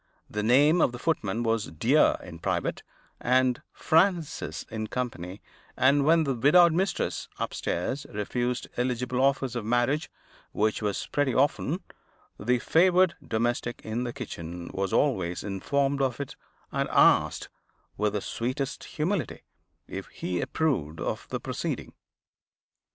The name of the footman was Dear in private, and Francis in company; and when the widowed mistress, upstairs, refused eligible offers of marriage (which was pretty often), the favored domestic in the kitchen was always informed of it, and asked, with the sweetest humility, if he approved of the proceeding.